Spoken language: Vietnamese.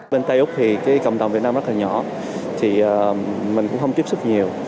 bên tây úc thì cái cộng đồng việt nam rất là nhỏ thì mình cũng không tiếp xúc nhiều